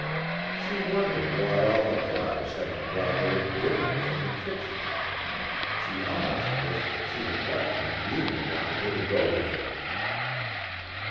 She wondered why all the cries hadn't brought old Gimlet from the kitchen. She almost wished that she had left when Yuma wanted her to go with him.